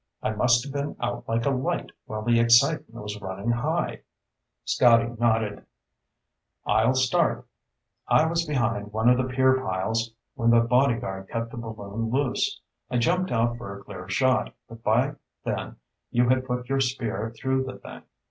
I must have been out like a light while the excitement was running high." Scotty nodded. "I'll start. I was behind one of the pier piles when the bodyguard cut the balloon loose. I jumped out for a clear shot, but by then you had put your spear through the thing.